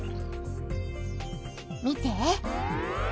見て。